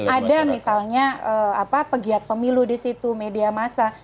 ada misalnya apa pegiat pemilu di situ media massa